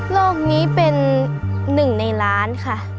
โลกนี้เป็นหนึ่งในล้านค่ะ